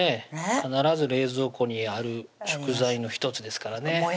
必ず冷蔵庫にある食材の１つですからね